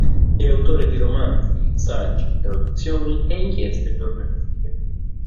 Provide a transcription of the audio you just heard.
È autore di romanzi, saggi, traduzioni e inchieste giornalistiche.